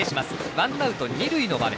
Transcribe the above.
ワンアウト、二塁の場面。